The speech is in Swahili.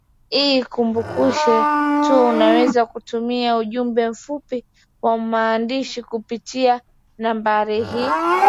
i kukumbushe tu unaweza kututumia ujumbe mfupi wa maandishi kupitia nambari hii